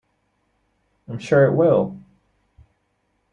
I'm sure it will.